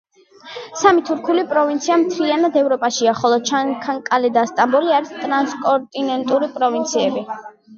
სამი თურქული პროვინცია მთლიანად ევროპაშია, ხოლო ჩანაქკალე და სტამბოლი არის ტრანსკონტინენტური პროვინციები.